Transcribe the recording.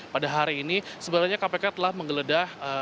pada hari ini sebenarnya kpk telah menggeledah